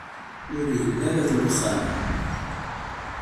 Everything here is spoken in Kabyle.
Ur yelli ara deg uxxam.